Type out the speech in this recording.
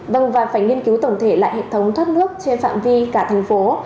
vâng và phải nghiên cứu tổng thể lại hệ thống thoát nước trên phạm vi cả thành phố